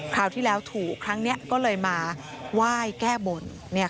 คราวที่แล้วถูกครั้งนี้ก็เลยมาไหว้แก้บน